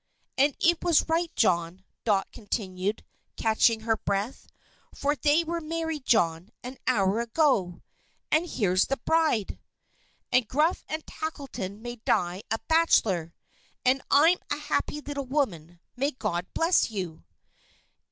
"And it was right, John," Dot continued, catching her breath, "for they were married, John, an hour ago! And here's the bride! And Gruff and Tackleton may die a bachelor! And I'm a happy little woman. May God bless you!"